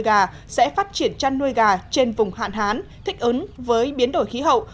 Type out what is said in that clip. các hộ dân chăn nuôi gà sẽ phát triển chăn nuôi gà trên vùng hạn hán thích ứng với biến đổi khí hậu